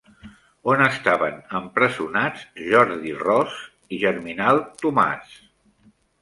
On estaven empresonats Jordi Ros i Germinal Tomàs?